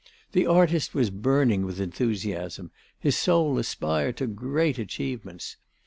The artist was burning with enthusiasm, his soul aspired to great achievements.